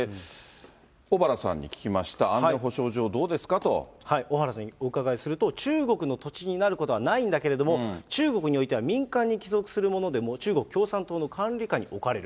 小原さんに聞きました、安全保障小原さんにお伺いすると、中国の土地になることはないんだけれども、中国においては民間に帰属するものでも、中国共産党の管理下に置かれる。